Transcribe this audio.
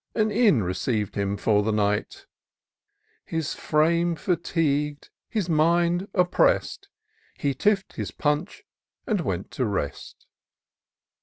An inn receiv'd him for the night, His firame fetigu'd, his mind oppressed. He tiffd his punch, and went to rest.